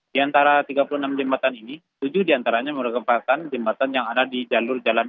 di antara tiga puluh enam jembatan ini tujuh diantaranya merupakan jembatan yang ada di jalur jalan